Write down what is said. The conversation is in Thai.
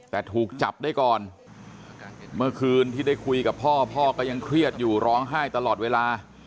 แต่ถูกจับได้ก่อนเมื่อคืนที่ได้คุยกับพ่อพ่อก็ยังเครียดอยู่ร้องไห้ตลอดเวลา